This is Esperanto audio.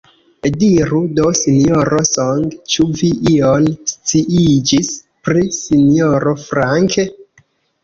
Diru do, Sinjoro Song, ĉu vi ion sciiĝis pri Sinjoro Frank?